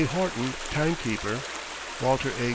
HORTON, Timekeeper { WALTER A.